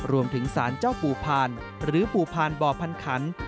ร่วมถึงศาลเจ้าปู่พรรณหรือปู่พรรณบ่อพันธุ์ขันธุ์